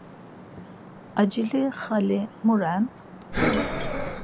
Acili xali mu ren?